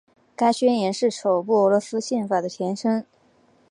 该宣言是首部俄罗斯宪法的前身。